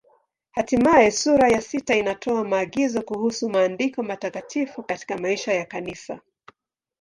Hatimaye sura ya sita inatoa maagizo kuhusu Maandiko Matakatifu katika maisha ya Kanisa.